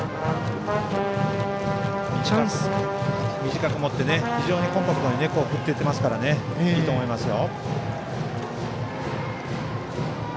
短く持って非常にコンパクトに振っていってますからいくと思いますよ。